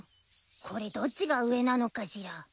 これどっちが上なのかしら？